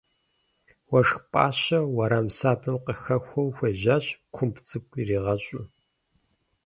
Уэшх пӏащэ уэрам сабэм къыхэхуэу хуежьащ, кумб цӏыкӏу иригъэщӏу.